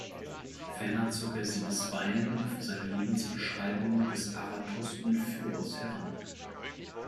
Ferner zog er sie bisweilen auch für seine Lebensbeschreibungen des Aratos und Pyrrhos heran.